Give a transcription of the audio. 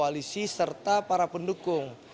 koalisi serta para pendukung